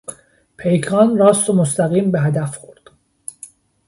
پیکان راست و مستقیم به هدف خورد.